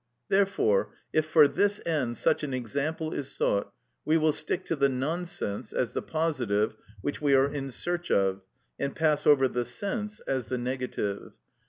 Therefore if for this end such an example is sought, we will stick to the nonsense as the positive which we are in search of, and pass over the sense as the negative.